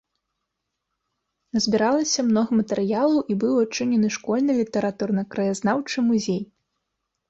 Назбіралася многа матэрыялаў і быў адчынены школьны літаратурна-краязнаўчы музей.